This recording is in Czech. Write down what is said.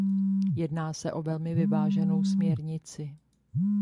Jedná se o velmi vyváženou směrnici.